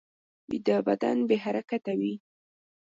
ویده بدن بې حرکته وي